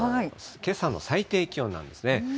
けさの最低気温なんですね。